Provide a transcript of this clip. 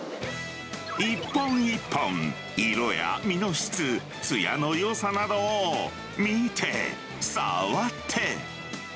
一本一本、色や身の質、つやのよさなどを見て、触って。